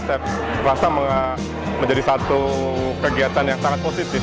saya rasa menjadi satu kegiatan yang sangat positif